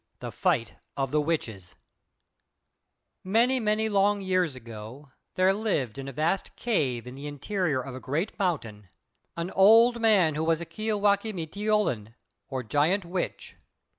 THE FIGHT OF THE WITCHES Many, many long years ago, there lived in a vast cave in the interior of a great mountain, an old man who was a "Kiāwākq' m'teoulin," or Giant Witch.